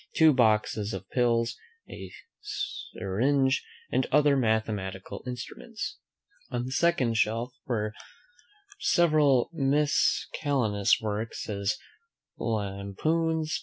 Two boxes of pills. A syringe, and other mathematical instruments. On the second shelf are several miscellaneous works, as Lampoons.